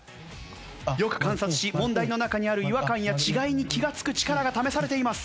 よく観察し問題の中にある違和感や違いに気がつく力が試されています。